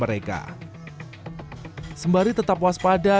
mereka bermain calm na dratn